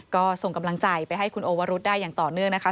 ก็ส่งกำลังใจไปให้คุณโอวรุธได้อย่างต่อเนื่องนะคะ